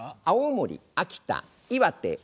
青森秋田岩手